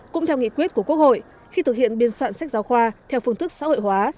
cũng theo nghị quyết của quốc hội khi thực hiện biên soạn sách giáo khoa theo phương thức xã hội hóa